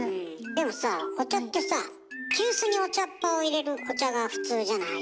でもさお茶ってさ急須にお茶っ葉を入れるお茶が普通じゃない？